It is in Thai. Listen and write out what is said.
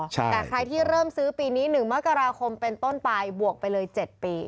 แต่ใครที่เริ่มซื้อปีนี้๑มกราคมเป็นต้นไปบวกไปเลย๗ปี